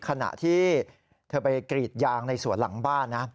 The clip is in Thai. ขณะที่เธอไปกรีดยางในสวนหลังบ้านนะ